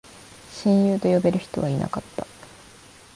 親友と呼べる人はいなかった